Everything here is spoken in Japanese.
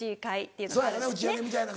そうやろね打ち上げみたいな感じで。